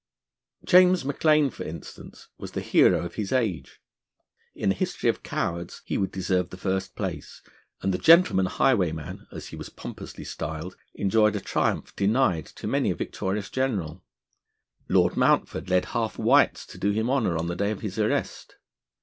James Maclaine, for instance, was the hero of his age. In a history of cowards he would deserve the first place, and the 'Gentleman Highwayman,' as he was pompously styled, enjoyed a triumph denied to many a victorious general. Lord Mountford led half White's to do him honour on the day of his arrest.